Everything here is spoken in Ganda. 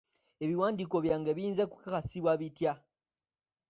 Ebiwandiiko byange biyinza kukakasibwa bitya?